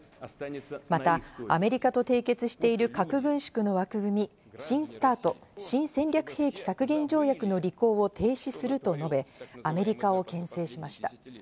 またアメリカと締結している核軍縮の枠組み、新ＳＴＡＲＴ＝新戦略兵器削減条約の履行を停止すると述べ、アメリカを牽制しました。